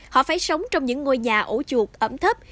họ phải sống trong những ngôi nhà ổ chuột ẩm thấp